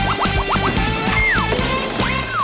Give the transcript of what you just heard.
รับรับ